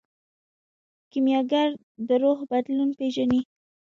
کیمیاګر د روح بدلون پیژني.